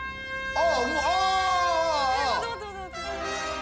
あ！